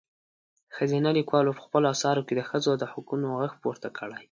ښځينه لیکوالو په خپلو اثارو کې د ښځو د حقونو غږ پورته کړی.